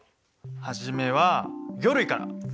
初めは魚類から。